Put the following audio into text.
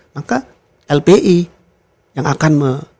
maka lpi yang akan